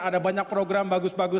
ada banyak program bagus bagus